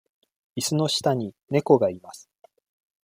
いすの下に猫がいます。